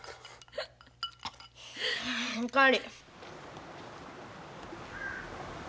お代わり。